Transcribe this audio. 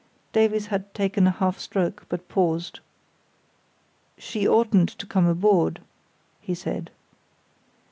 Davies had taken a half stroke, but paused. "She oughtn't to come aboard." he said.